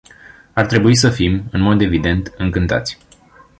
Ar trebui să fim, în mod evident, încântați.